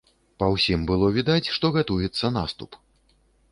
Па ўсім было відаць, што гатуецца наступ.